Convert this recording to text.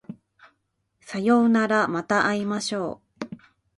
さようならまた会いましょう